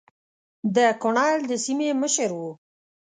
د کنړ د سیمې مشر وو.